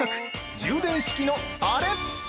充電式のあれ！」